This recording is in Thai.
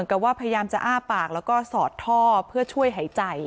อ้าปากแล้วก็สอดท่อเพื่อช่วยหายใจ